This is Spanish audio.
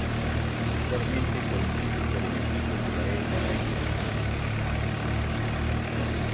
Actualmente compite por el equipo Israel Cycling Academy.